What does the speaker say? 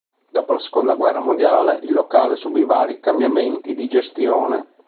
Dopo la seconda guerra mondiale il locale subì vari cambiamenti di gestione.